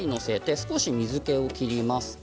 少し水けを切ります。